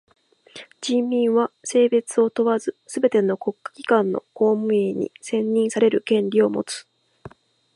人民は性別を問わずすべての国家機関の公務員に選任される権利をもつ。